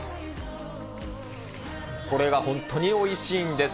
これが本当においしいんです。